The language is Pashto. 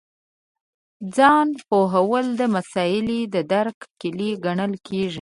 ځان پوهول د مسألې د درک کیلي ګڼل کېږي.